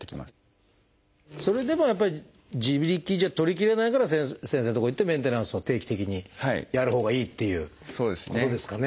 それでもやっぱり自力じゃ取りきれないから先生の所行ってメンテナンスを定期的にやるほうがいいっていうことですかね。